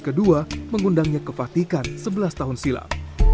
kedua mengundangnya ke fatikan sebelas tahun silam